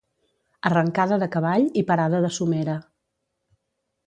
Arrancada de cavall i parada de somera.